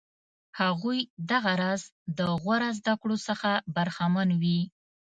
هغوی دغه راز د غوره زده کړو څخه برخمن وي.